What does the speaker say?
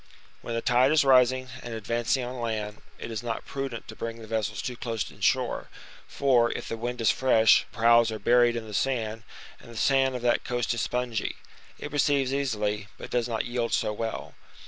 When the tide is rising, and advancing on land, it is not prudent to bring the vessels too close in shore, for, if the wind is fresh, the prows are buried in the sand; and the sand of that coast is spongy; it receives easily, but does not yield so well.